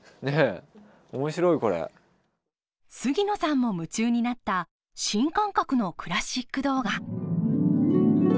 杉野さんも夢中になった新感覚のクラシック動画。